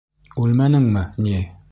Үлмәнеңме ни?